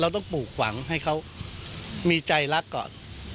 ต้องปลูกฝังให้เขามีใจรักก่อน